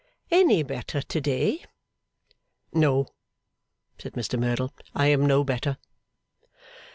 'Any better to day?' 'No,' said Mr Merdle, 'I am no better.